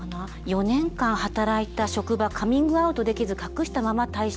「４年間働いた職場カミングアウトできず隠したまま退社。